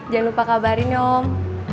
jangan lupa kabarin om